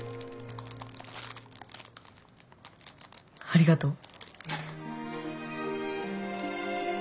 ありがとう。